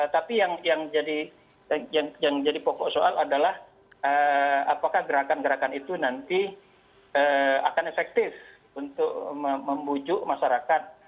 tapi yang jadi pokok soal adalah apakah gerakan gerakan itu nanti akan efektif untuk membujuk masyarakat